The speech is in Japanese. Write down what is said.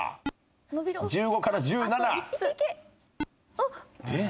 あっ。えっ？